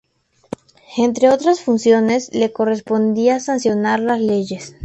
Entre otras funciones, le correspondía sancionar las leyes.